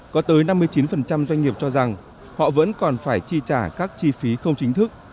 có tới năm mươi chín doanh nghiệp cho rằng họ vẫn còn phải chi trả các chi phí không chính thức